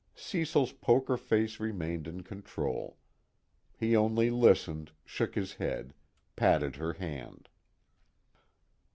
Cecil's poker face remained in control. He only listened, shook his head, patted her hand.